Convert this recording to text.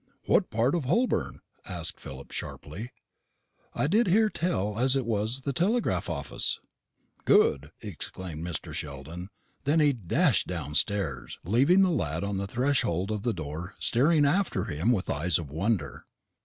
"What part of Holborn?" asked Philip sharply. "I did hear tell as it was the telegraph office." "Good!" exclaimed Mr. Sheldon; and then he dashed downstairs, leaving the lad on the threshold of the door staring after him with eyes of wonder.